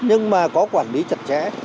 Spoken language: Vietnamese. nhưng mà có quản lý chặt chẽ